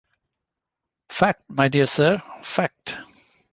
Fact, my dear Sir, fact.